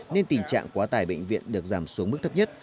nên tình trạng quá tải bệnh viện được giảm xuống mức thấp nhất